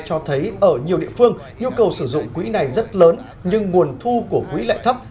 cho thấy ở nhiều địa phương nhu cầu sử dụng quỹ này rất lớn nhưng nguồn thu của quỹ lại thấp